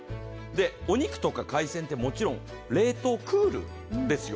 お肉とか海鮮ってもちろん冷凍、クールですよ。